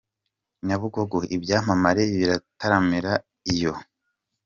Nyabugogo ibyamamare biratamira yo